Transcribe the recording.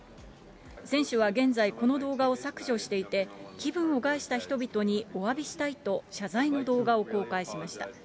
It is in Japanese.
選手は現在、この動画を削除していて、気分を害した人々におわびしたいと、謝罪の動画を公開しました。